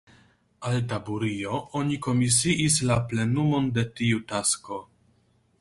Al Taburio oni komisiis la plenumon de tiu tasko.